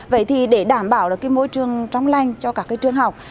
vậy thì để đảm bảo môi trường trong lanh cho các trường học